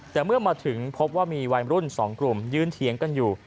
แต่เมื่อมาถึงพบว่ามีวัยรุ่น๒กลุ่มยืนเถียงกันอยู่